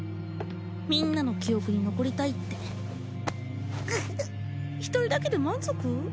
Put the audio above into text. みんなの記憶に残りたいって一人だけで満足？